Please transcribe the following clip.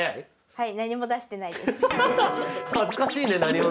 はい。